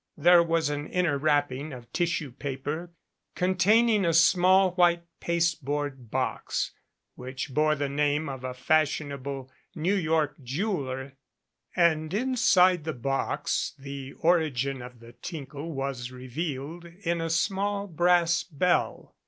There was an inner wrapping of tissue paper containing a small white pasteboard box which bore the name of a fashion able New York jeweler, and inside the box the origin of the tinkle was revealed in a small brass bell.